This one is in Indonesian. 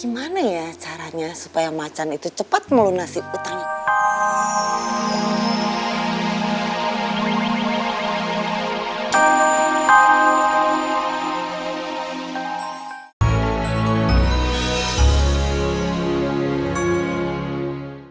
gimana ya caranya supaya macan itu cepat melunasi utangnya